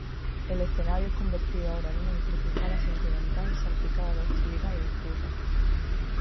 El escenario es convertido ahora en una encrucijada sentimental salpicada de hostilidad y disputas.